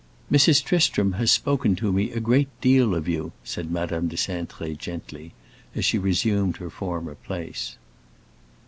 "Mrs. Tristram has spoken to me a great deal of you," said Madame de Cintré gently, as she resumed her former place.